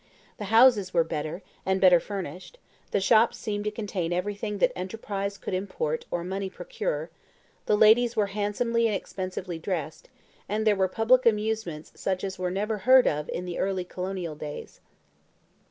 The houses were better, and better furnished; the shops seemed to contain everything that enterprise could import or money procure; the ladies were handsomely and expensively dressed, and there were public amusements such as were never heard of in the early colonial days.